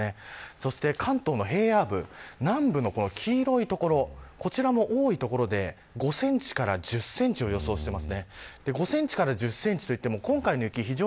そして関東の平野部、南部の黄色い所、こちらも多い所で５センチから１０センチを予想しています。